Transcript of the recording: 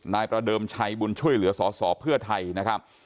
นายประเดิมชัยบุญช่วยเหลือสสเพื่อไทยนะครับ